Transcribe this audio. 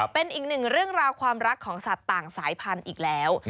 เป็นอีกหนึ่งเรื่องราวความรักของสัตว์ต่างสายพันธุ์อีกแล้ว